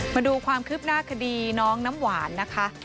มาดูความคืบหน้าคดีน้องน้ำหวานนะคะ